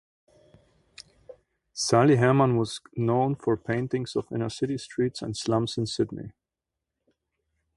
Sali Herman was known for paintings of inner city streets and slums in Sydney.